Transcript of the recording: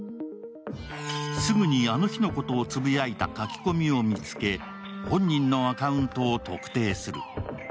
すぐにあの日のことをつぶやいた書き込みを見つけ本人のアカウントを特定する。